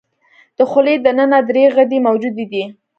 د خولې د ننه درې غدې موجودې دي.